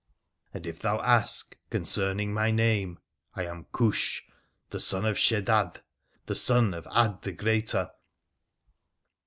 And if thou as! concerning my name, I am Khoosh, the son of Sheddad, the son o 'Ad the Greater.